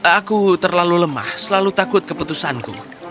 aku terlalu lemah selalu takut keputusanku